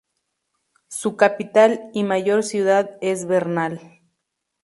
Su capital y mayor ciudad es Vernal.